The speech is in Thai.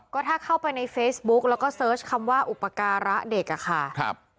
ก็ถ้าเข้าไปในเฟซบุ๊กแล้วก็เสิร์ชคำว่าอุปการะเด็กอะค่ะครับ